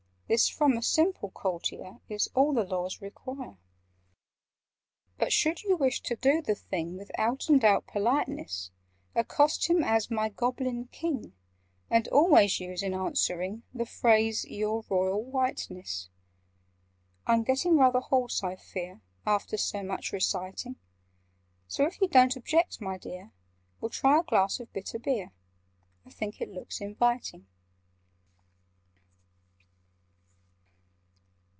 This, from a simple courtier, Is all the Laws require: "But, should you wish to do the thing With out and out politeness, Accost him as 'My Goblin King! And always use, in answering, The phrase 'Your Royal Whiteness!' "I'm getting rather hoarse, I fear, After so much reciting: So, if you don't object, my dear, We'll try a glass of bitter beer— I think it looks inviting."